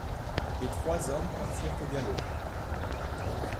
Les trois hommes partirent au galop.